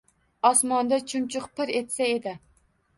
Osmonda chumchuq pir etsa edi.